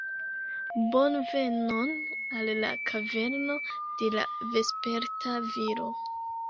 Bonvenon al la kaverno de la Vesperta Viro